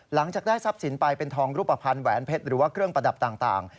หลังจากได้ทรัพย์สินไปเป็นทองรูปภัณฑ์แหวนเพชรหรือว่าเครื่องประดับต่าง